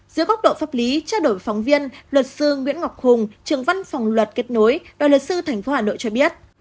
dưới góc độ pháp lý trao đổi phóng viên luật sư nguyễn ngọc hùng trường văn phòng luật kết nối đoàn luật sư tp hà nội cho biết